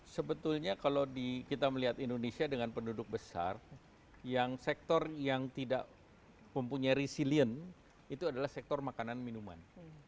sebetulnya kalau kita melihat indonesia dengan penduduk besar yang sektor yang tidak mempunyai resilient itu adalah sektor makanan minuman